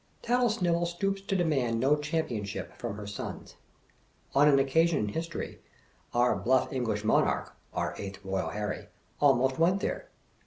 Tattlesnivel stoops to demand no championship from her sons. On an occasion in History, our bluff British mon arch, our Eighth Eoyal Harry, almost went there.